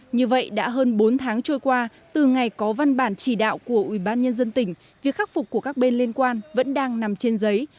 như vậy đã hơn bốn tháng trôi qua từ ngày có văn bản chỉ đạo của ủy ban nhân dân tỉnh việc khắc phục của các bên liên quan vẫn đang nằm trên giấy